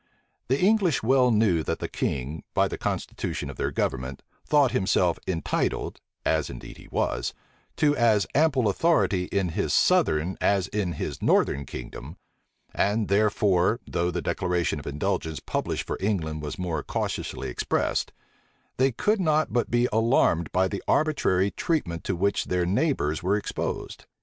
The English well knew that the king, by the constitution of their government, thought himself entitled, as indeed he was, to as ample authority in his southern as in his northern kingdom; and therefore, though the declaration of indulgence published for England was more cautiously expressed, they could not but be alarmed by the arbitrary treatment to which their neighbors were exposed.